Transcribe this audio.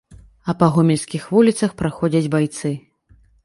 А па гомельскіх вуліцах праходзяць байцы.